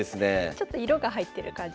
ちょっと色が入ってる感じの。